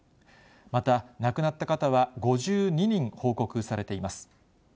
また亡くなった方は５２人報告されています。